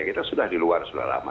kita sudah di luar sudah lama